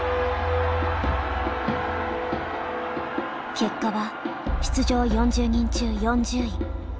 結果は出場４０人中４０位。